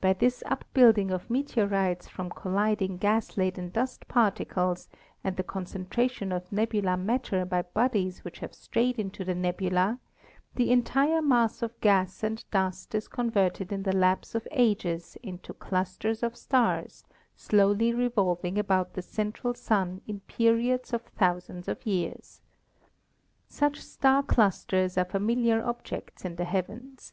By COSMOGONY AND STELLAR EVOLUTION 319 this upbuilding of meteorites from colliding gas laden dust particles and the concentration of nebular matter by bodies which have strayed into the nebula, the entire mass of gas and dust is converted in the lapse of ages into clusters of stars, slowly revolving about the central Sun in periods of thousands of years. Such star clusters are familiar objects in the heavens.